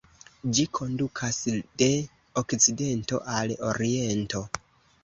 Ĝi kondukas de okcidento al oriento.